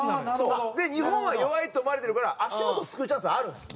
で日本は弱いと思われてるから足元をすくうチャンスはあるんです。